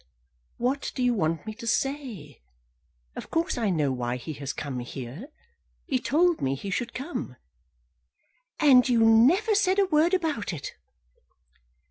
"What do you want me to say? Of course I know why he has come here. He told me he should come." "And you have never said a word about it."